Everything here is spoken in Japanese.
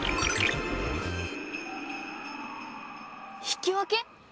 引き分け